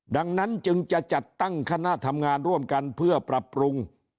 ดังนั้นจึงจะจัดตั้งคณะทำงานร่วมกันเพื่อปรับปรุง